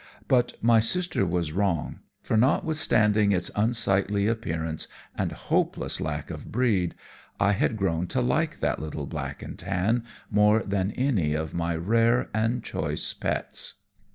But my sister was wrong, for notwithstanding its unsightly appearance and hopeless lack of breed, I had grown to like that little black and tan more than any of my rare and choice pets."